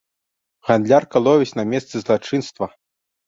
Гандлярка ловіць на месцы злачынства.